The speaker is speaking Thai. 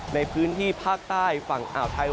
ในพื้นที่ภาคใต้ฝั่งอ่าวไทย